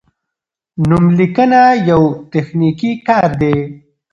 نوملیکنه یو تخنیکي کار دی.